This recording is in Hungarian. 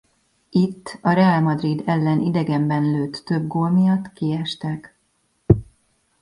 Itt a Real Madrid ellen idegenben lőtt több gól miatt kiestek.